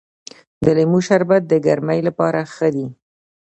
د لیمو شربت د ګرمۍ لپاره ښه دی.